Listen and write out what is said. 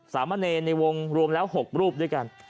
สามเณรในวงรวมแล้ว๖รูปด้วยกัน